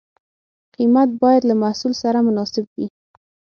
قیمت باید له محصول سره مناسب وي.